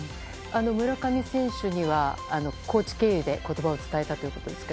村上選手にはコーチ経由で言葉を伝えたということですが。